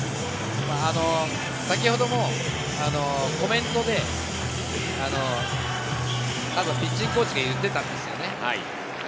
先ほどもコメントでピッチングコーチが言っていたんですよね。